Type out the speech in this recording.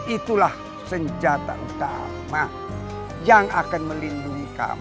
itulah senjata utama yang akan melindungi kami